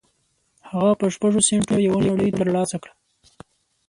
هغه په شپږو سينټو یوه نړۍ تر لاسه کړه